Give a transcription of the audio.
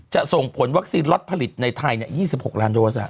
จะส่งผลวัคซีนล็อตผลิตในไทยเนี่ย๒๖ล้านโดยวัฒนา